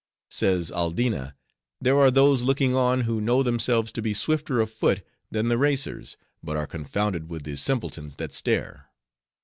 Says Aldina, 'There are those looking on, who know themselves to be swifter of foot than the racers, but are confounded with the simpletons that stare.